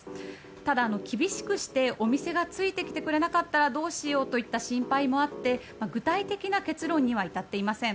ただ、厳しくしてお店がついてきてくれなかったらどうしようといった心配もあって具体的な結論には至っていません。